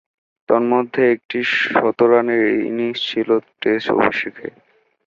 তন্মধ্যে একটি শতরানের ইনিংস ছিল টেস্ট অভিষেকে।